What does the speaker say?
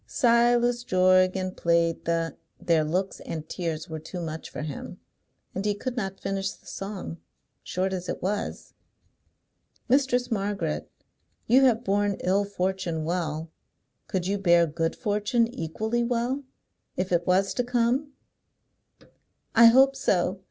Silas Jorgan Played the Their looks and tears were too much for him, and he could not finish the song, short as it was. "Mistress Margaret, you have borne ill fortune well. Could you bear good fortune equally well, if it was to come?" "I hope so.